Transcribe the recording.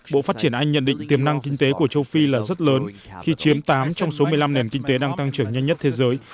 bộ phát triển anh nhận định tiềm năng kinh tế của châu phi là rất lớn khi chiếm tám trong số một mươi năm nền kinh tế đang tăng trưởng nhanh nhất thế giới